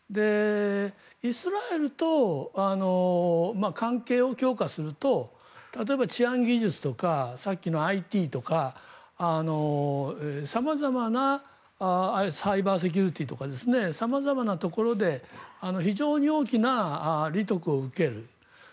イスラエルと関係を強化すると例えば、治安技術とかさっきのＩＴとか様々なサイバーセキュリティーとか様々なところで非常に大きな利得を受ける。